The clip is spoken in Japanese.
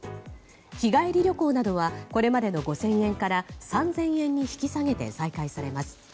日帰り旅行などはこれまでの５０００円から３０００円に引き下げて再開されます。